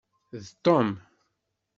D Tom.